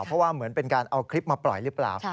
เพราะว่าเหมือนเป็นการเอาคลิปมาปล่อยหรือเปล่า